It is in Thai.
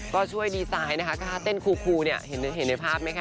ก็ช่วยดีไซน์นะคะถ้าเต้นคูเนี่ยเห็นในภาพไหมคะ